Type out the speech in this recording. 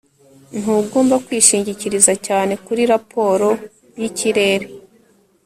ntugomba kwishingikiriza cyane kuri raporo yikirere